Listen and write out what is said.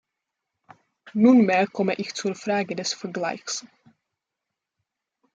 Nunmehr komme ich zur Frage des Vergleichs.